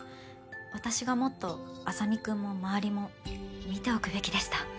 私がもっと莇君も周りも見ておくべきでした。